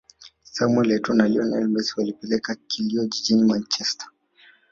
Samuel Etoâo na Lionel Messi walipeleka kilio jijini Manchesterr